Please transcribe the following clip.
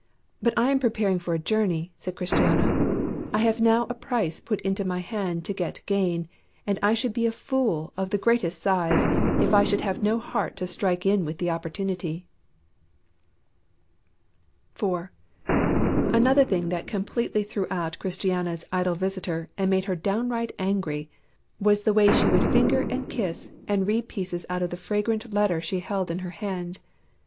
"But I am preparing for a journey," said Christiana. "I have now a price put into my hand to get gain, and I should be a fool of the greatest size if I should have no heart to strike in with the opportunity." 4. Another thing that completely threw out Christiana's idle visitor and made her downright angry was the way she would finger and kiss and read pieces out of the fragrant letter she held in her hand.